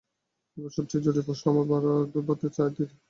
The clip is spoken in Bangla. এবার সবচেয়ে জরুরী প্রশ্ন, আমার বাড়া ভাতে ছাই দিতে গেলে কেন?